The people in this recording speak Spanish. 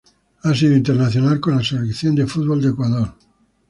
Ha sido internacional con la Selección de fútbol de Ecuador.